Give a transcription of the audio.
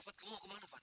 fat kamu kemana fat